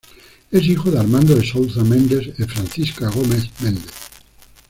Es hijo de Armando de Souza Mendes e Francisca Gomes Mendes.